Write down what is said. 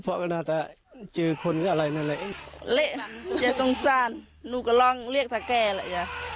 ก็เพราะก็น่าจะเจอคนก็อะไรนั่นแหละแหละจะสงสารหนูก็ลองเรียกทะแก่แหละจ้ะ